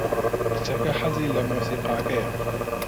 کچەکە حەزی لە مۆسیقاکەیە.